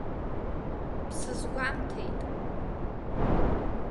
Бсызгәамҭеит.